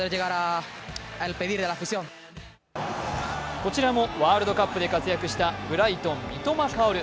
こちらもワールドカップで活躍したブライトン・三笘薫。